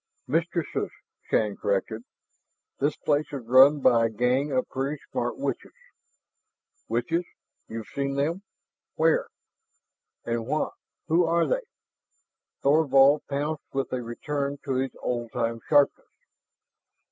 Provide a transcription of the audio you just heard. "Mistresses," Shann corrected. "This place is run by a gang of pretty smart witches." "Witches? You've seen them? Where? And what who are they?" Thorvald pounced with a return of his old time sharpness.